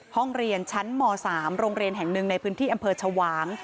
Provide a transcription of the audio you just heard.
ห้องเรียนชั้นม๓โรงเรียนแห่งหนึ่งในพื้นที่อำเภอชวาง